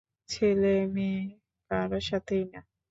ছেলে মেয়ে কারো সাথেই না।